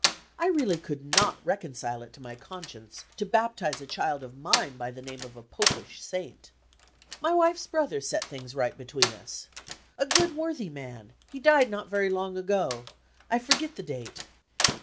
I really could not reconcile it to my conscience to baptize a child of mine by the name of a Popish saint. My wife's brother set things right between us. A worthy good man; he died not very long ago I forget the date.